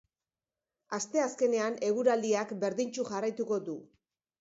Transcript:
Asteazkenean eguraldiak berdintsu jarraituko du.